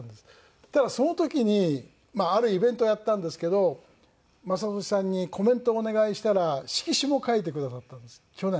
そしたらその時にまああるイベントをやったんですけど雅俊さんにコメントお願いしたら色紙も書いてくださったんです去年。